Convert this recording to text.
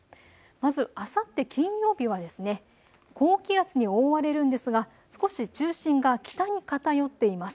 まずあさって金曜日は高気圧に覆われるんですが少し中心が北に偏っています。